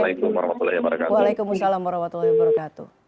assalamualaikum warahmatullahi wabarakatuh